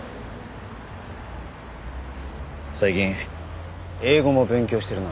最近英語の勉強してるな。